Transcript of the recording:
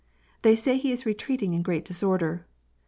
They say he is retreating in great disorder.